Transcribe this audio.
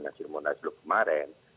nasir munasluh kemarin